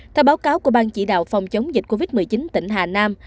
theo báo cáo của ban chỉ đạo phòng chống dịch covid một mươi chín tỉnh hà nam